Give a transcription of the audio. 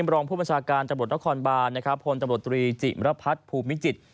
บรองผู้ประชาการจับรถนครบาลพลตำรวจตรีจิมรพัฒน์ภูมิจิตร